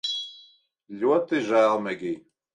Ļoti žēl, Megij